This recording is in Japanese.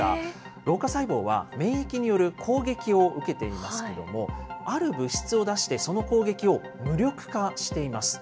老化細胞は免疫による攻撃を受けていますけれども、ある物質を出して、その攻撃を無力化しています。